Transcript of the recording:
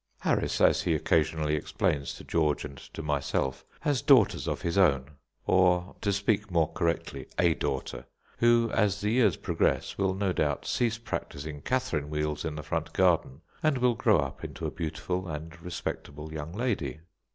Harris, as he occasionally explains to George and to myself, has daughters of his own, or, to speak more correctly, a daughter, who as the years progress will no doubt cease practising catherine wheels in the front garden, and will grow up into a beautiful and respectable young lady.